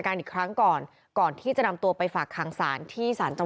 อันนี้น่าจะเป็นเพราะว่าขาดยาและหลอน